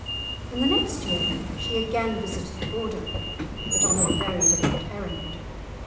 In the next year she again visited the Border, but on a very different errand.